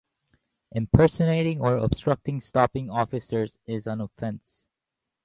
Impersonating or obstructing stopping officers is an offence.